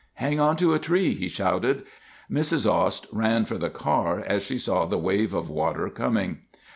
"Hang onto a tree!" he shouted. Mrs. Ost ran for the car as she saw the wave of water coming.